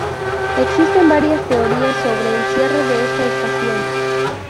Existen varias teorías sobre el cierre de esta estación.